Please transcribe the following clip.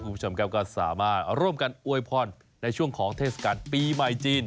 คุณผู้ชมครับก็สามารถร่วมกันอวยพรในช่วงของเทศกาลปีใหม่จีน